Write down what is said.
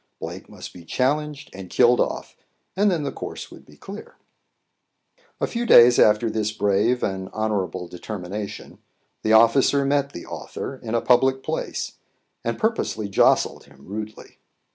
Blake must be challenged and killed off, and then the course would be clear. A few days after this brave and honourable determination, the officer met the author in a public place, and purposely jostled him rudely.